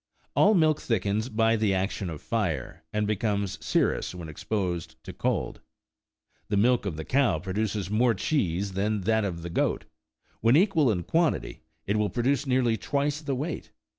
All milk thickens by the action of fire, and becomes serous when exposed to cold. The milk of the cow produces more cheese than that of the goat : when equal in quantity, it will produce nearly twice the weight.